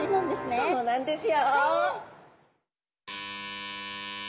そうなんですよ。